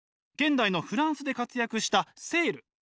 現代のフランスで活躍したセール。